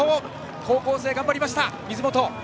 高校生頑張りました、水本。